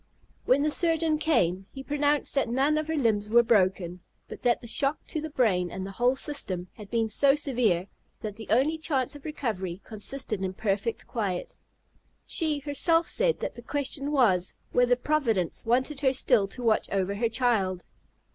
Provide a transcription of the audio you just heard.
When the surgeon came, he pronounced that none of her limbs were broken, but that the shock to the brain, and the whole system, had been so severe, that the only chance of recovery consisted in perfect quiet. She herself said that the question was, whether Providence wanted her still to watch over her child.